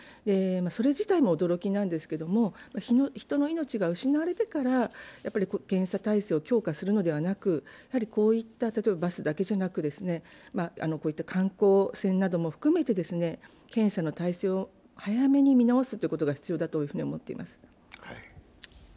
それ自体も驚きなんですけれども、人の命が失われてから検査体制を強化するのではなく、バスだけじゃなく、こういった観光船なども含めて検査の体制を早めに見直すことが必要だと思っています。